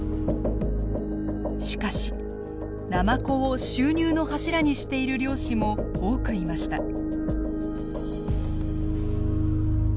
しかしナマコを収入の柱にしている漁師も多くいました。